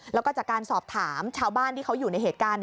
แล้วก็จากการสอบถามชาวบ้านที่เขาอยู่ในเหตุการณ์